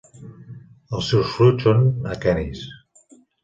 Els seus fruits són aquenis.